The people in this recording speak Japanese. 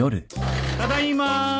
ただいま。